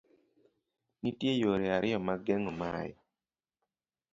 Nitie yore ariyo mag geng'o mae